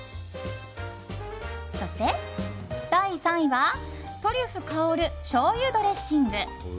そして、第３位はトリュフ香る醤油ドレッシング。